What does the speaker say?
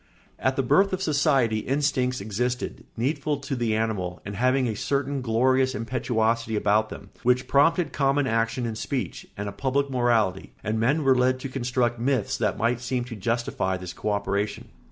] At the birth of society instincts existed, needful to the animal and having a certain glorious impetuosity about them, which prompted common action and speech, and a public morality, and men were led to construct myths that might seem to justify this co operation.